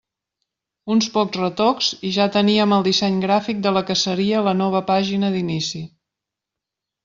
Uns pocs retocs, i ja teníem el disseny gràfic de la que seria la nova pàgina d'inici!